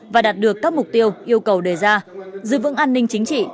và đạt được các mục tiêu yêu cầu đề ra giữ vững an ninh chính trị